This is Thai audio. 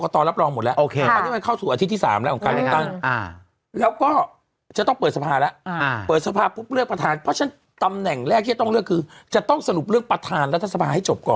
ทำแหน่งแรกที่เราต้องเลือกคือจะต้องสรุปเรื่องประธานรัฐสภาให้จบก่อน